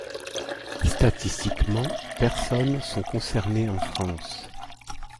Statistiquement, personnes sont concernées en France.